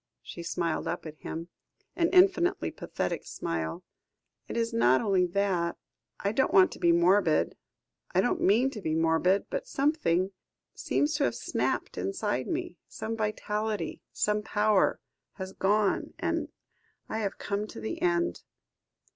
She smiled up at him, an infinitely pathetic smile. "It is not only that. I don't want to be morbid. I don't mean to be morbid. But something seems to have snapped inside me some vitality, some power has gone, and I have come to the end."